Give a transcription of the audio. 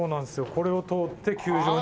これを通って球場に。